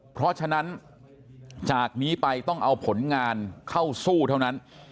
เพราะฉะนั้นจากนี้ไปต้องเอาผลงานเข้าสู้เท่านั้น